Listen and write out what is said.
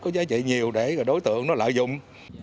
có giá trị nhiều để đối tượng nó lợi dụng